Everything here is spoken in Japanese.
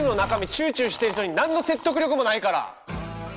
チューチューしてる人に何の説得力もないから！